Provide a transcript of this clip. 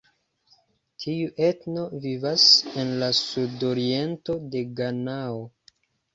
Tiu etno vivas en la sudoriento de Ganao.